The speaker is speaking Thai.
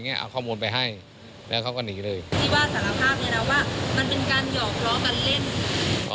มันเป็นการหยอกล้อกันเล่น